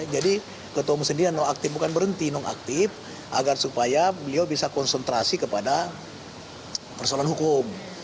jadi ketua musendirian nonaktif bukan berhenti nonaktif agar supaya beliau bisa konsentrasi kepada persoalan hukum